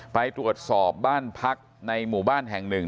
ไปตรวจสอบบ้านพักในหมู่บ้านแห่งหนึ่ง